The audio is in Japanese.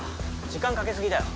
時間かけすぎだよ。